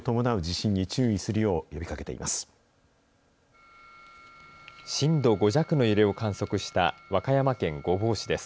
震度５弱の揺れを観測した和歌山県御坊市です。